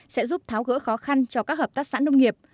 sẽ giúp tháo gỡ khó khăn cho các hợp tác xã nông nghiệp